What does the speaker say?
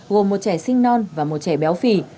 gồm một trẻ sinh non và một trẻ béo phì